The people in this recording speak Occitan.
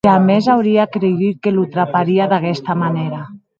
Jamès auria creigut que lo traparia d’aguesta manèra.